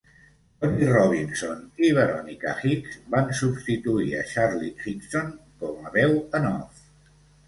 Tony Robinson i Veronika Hyks van substituir a Charlie Higson com a veu en off.